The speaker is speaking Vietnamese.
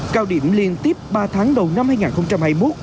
cao điểm liên tiếp ba tháng đầu năm hai nghìn hai mươi một